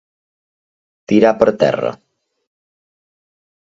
Tirar per terra.